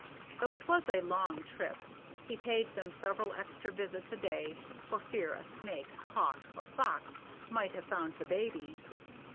Though it was a long trip, he paid them several extra visits a day for fear a snake, hawk, or fox might have found the baby.